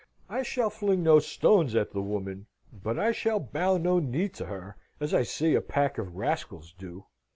"I shall fling no stones at the woman; but I shall bow no knee to her, as I see a pack of rascals do.